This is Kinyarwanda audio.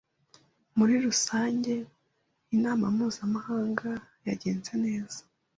Muri rusange, inama mpuzamahanga yagenze neza.